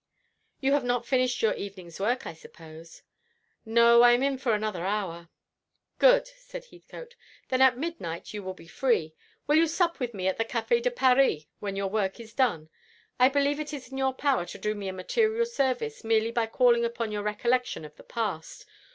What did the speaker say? "You have not finished your evening's work, I suppose?" "No; I am in for another hour." "Good," said Heathcote; "then at midnight you will be free. Will you sup with me at the Café de Paris when your work is done? I believe it is in your power to do me a material service merely by calling upon your recollection of the past.